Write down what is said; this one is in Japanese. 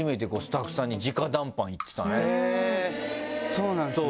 そうなんですね。